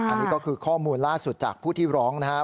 อันนี้ก็คือข้อมูลล่าสุดจากผู้ที่ร้องนะครับ